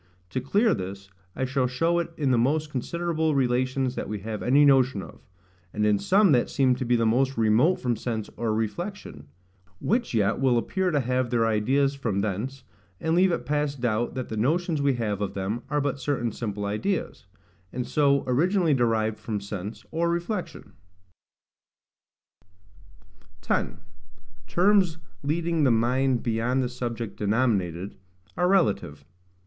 To clear this, I shall show it in the most considerable relations that we have any notion of; and in some that seem to be the most remote from sense or reflection: which yet will appear to have their ideas from thence, and leave it past doubt that the notions we have of them are but certain simple ideas, and so originally derived from sense or reflection. 10. Terms leading the Mind beyond the Subject denominated, are relative.